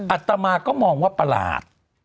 อัตมาก็มองว่าประหลาด